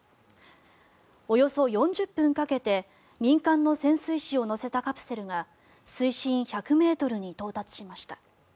およそ４０分かけて民間の潜水士を乗せたカプセルが水深１００ｍに到達しました。